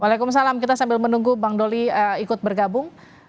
waalaikumsalam kita sambil menunggu bang doli ikut bergabung